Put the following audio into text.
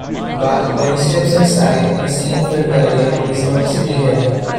But, when he steps inside, in a scene filmed earlier, he is noticeably heavier.